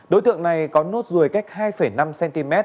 đối tượng này có nốt ruồi cách hai năm cm